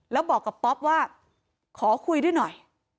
แล้วบอกกับป๊อปว่าขอคุยด้วยหน่อย